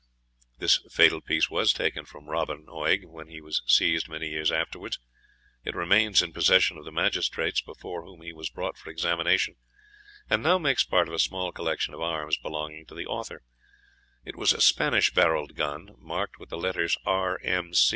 This fatal piece was taken from Robin Oig, when he was seized many years afterwards. It remained in possession of the magistrates before whom he was brought for examination, and now makes part of a small collection of arms belonging to the Author. It is a Spanish barrelled gun, marked with the letters R. M.